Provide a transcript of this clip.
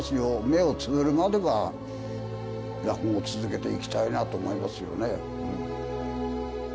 目をつむるまでは、落語を続けていきたいなと思いますよね。